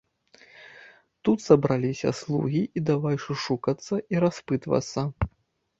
Тут сабраліся слугі і давай шушукацца і распытвацца.